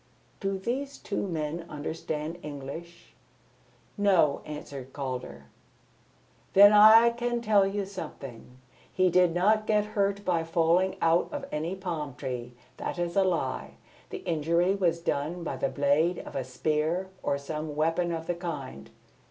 Do these two men understand English?" "No," answered Calder. "Then I can tell you something. He did not get the hurt by falling out of any palm tree. That is a lie. The injury was done by the blade of a spear or some weapon of the kind."